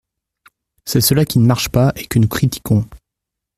C’est cela qui ne marche pas, et que nous critiquons.